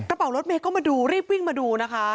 กระเป๋ารถเมย์ก็มาดูรีบวิ่งมาดูนะคะ